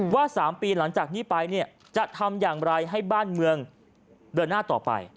๓ปีหลังจากนี้ไปเนี่ยจะทำอย่างไรให้บ้านเมืองเดินหน้าต่อไป